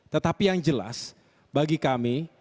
tetapi yang jelas bagi kami